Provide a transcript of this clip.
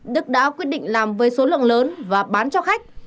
đức đã quyết định làm với số lượng lớn và bán cho khách